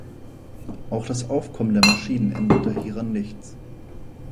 Auch das Aufkommen der Maschinen änderte hieran nichts.